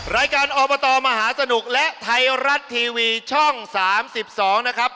รายการอบตมหาสนุกและไทยรัฐทีวีช่อง๓๒นะครับ